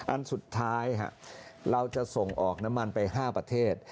อันสุดท้ายเราจะส่งออกน้ำมันไป๕ประเทศ